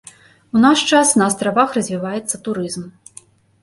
У наш час на астравах развіваецца турызм.